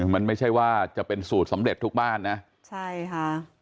มันไม่ใช่ว่าจะเป็นสูตรสำเร็จทุกบ้านนะใช่ค่ะ